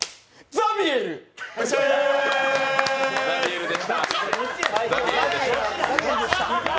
ザビエルでした！